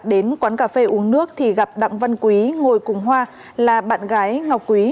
đến quán cà phê uống nước thì gặp đặng văn quý ngồi cùng hoa là bạn gái ngọc quý